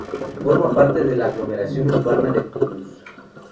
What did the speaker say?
Forma parte de la aglomeración urbana de Toulouse.